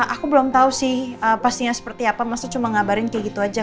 aku belum tau sih pastinya seperti apa mas tuh cuma ngabarin kayak gitu aja